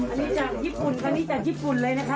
อันนี้จากญี่ปุ่นคราวนี้จากญี่ปุ่นเลยนะคะ